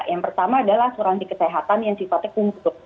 yang pertama adalah asuransi kesehatan yang sifatnya kumpul